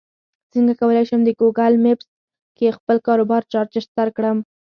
څنګه کولی شم د ګوګل مېپس کې خپل کاروبار راجستر کړم